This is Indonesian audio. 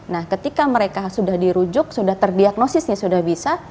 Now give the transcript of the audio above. nah ketika mereka sudah dirujuk sudah terdiagnosisnya sudah bisa